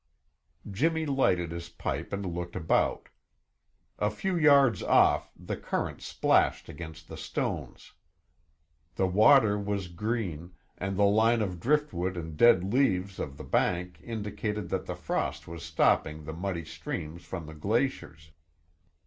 Jimmy lighted his pipe and looked about. A few yards off, the current splashed against the stones. The water was green, and the line of driftwood and dead leaves on the bank indicated that the frost was stopping the muddy streams from the glaciers.